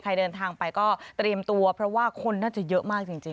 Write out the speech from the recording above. เดินทางไปก็เตรียมตัวเพราะว่าคนน่าจะเยอะมากจริง